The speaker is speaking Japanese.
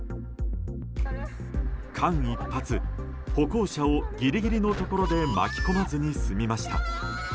間一髪、歩行者をギリギリのところで巻き込まずに済みました。